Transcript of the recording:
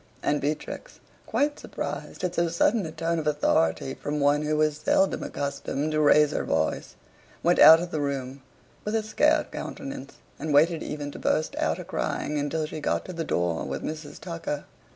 And Beatrix, quite surprised at so sudden a tone of authority from one who was seldom accustomed to raise her voice, went out of the room with a scared countenance, and waited even to burst out a crying until she got to the door with Mrs. Tucker.